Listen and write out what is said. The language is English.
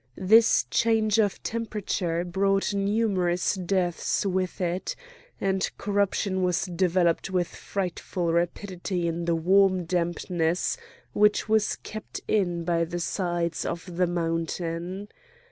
This change of temperature brought numerous deaths with it, and corruption was developed with frightful rapidity in the warm dampness which was kept in by the sides of the mountain.